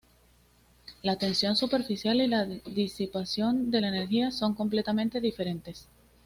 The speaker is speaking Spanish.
La tensión superficial y la disipación de la energía son completamente diferentes.